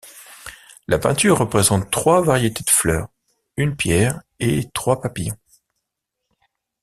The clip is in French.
La peinture représente trois variétés de fleurs, une pierre et trois papillons.